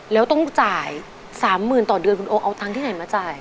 แล้วต้องจ่าย๓๐๐๐ต่อเดือนคุณโอเอาตังค์ที่ไหนมาจ่าย